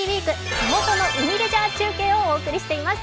地元の海レジャー中継」をお送りしています。